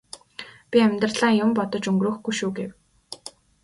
би амьдралаа юм бодож өнгөрөөхгүй шүү гэв.